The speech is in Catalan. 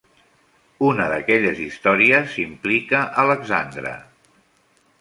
Una d'aquelles històries implica Alexandre.